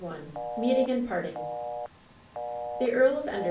\ MEETING AND PABTINO The Earl of Endfi?